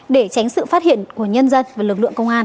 để tránh sự phát hiện của nhân dân và lực lượng công an